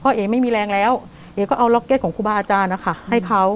เอ๋ไม่มีแรงแล้วเอ๋ก็เอาล็อกเก็ตของครูบาอาจารย์นะคะให้เขา